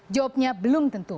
jawabnya belum tentu